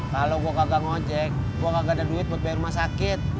kalau gue kagak ngocek gue kagak ada duit buat bayar rumah sakit